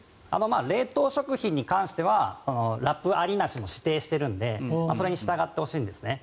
冷凍食品に関してはラップあり、なしも指定しているのでそれに従ってほしいんですね。